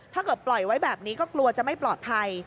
ถ้าเกิดปล่อยไว้แบบนี้ก็กลัวจะไม่ปลอดภัย